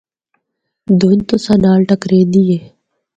دُھند تُساں نال ٹَکریندی اے۔